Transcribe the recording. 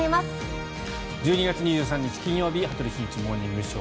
１２月２３日、金曜日「羽鳥慎一モーニングショー」。